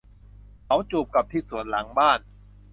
เขาจูบกับที่สวนหลังบ้าน